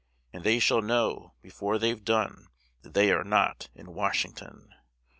And they shall know before they've done, That they are not in Washington.